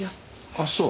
あっそう。